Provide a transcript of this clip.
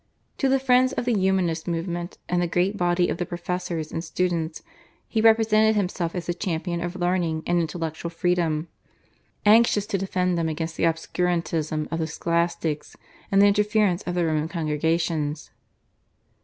To the friends of the Humanist movement and the great body of the professors and students he represented himself as the champion of learning and intellectual freedom, anxious to defend them against the obscurantism of the Scholastics and the interference of the Roman congregations.